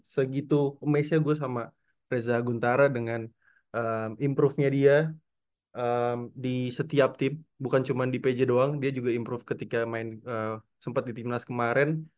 segitu amazednya gue sama reza guntara dengan improve nya dia di setiap team bukan cuman di pj doang dia juga improve ketika main sempet di timnas kemarin